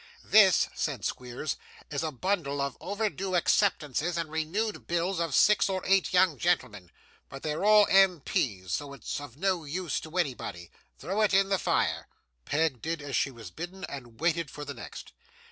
'This,' said Squeers, 'is a bundle of overdue acceptances and renewed bills of six or eight young gentlemen, but they're all MPs, so it's of no use to anybody. Throw it in the fire!' Peg did as she was bidden, and waited for the next.